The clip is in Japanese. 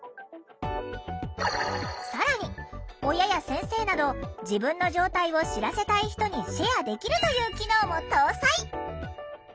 更に親や先生など自分の状態を知らせたい人にシェアできるという機能も搭載。